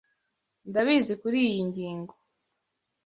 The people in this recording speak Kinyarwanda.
Ndabizi kuriyi ngingo.